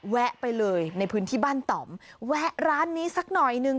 แวะไปเลยในพื้นที่บ้านต่อมแวะร้านนี้สักหน่อยหนึ่ง